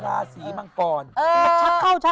หล่าสีมังกรชักเข้าชักออก